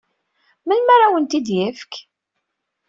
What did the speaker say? Melmi ara awen-tt-id-yefk?